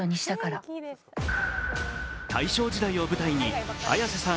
大正時代を舞台に、綾瀬さん